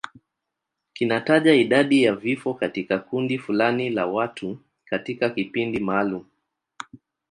Kinataja idadi ya vifo katika kundi fulani la watu katika kipindi maalum.